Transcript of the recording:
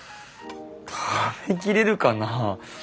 食べきれるかな。